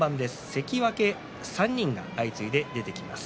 関脇３人が相次いで出てきます。